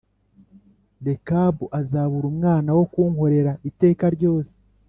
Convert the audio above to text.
Rekabu azabura umwana wo kunkorera iteka ryose